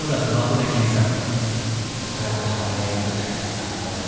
親御さんのネーミングセンスに脱帽です。